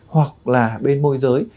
hoặc là bên môi giới